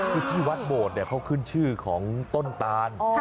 คือที่วัดโบดเนี่ยเขาขึ้นชื่อของต้นตาน